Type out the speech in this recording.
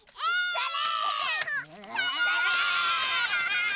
それ！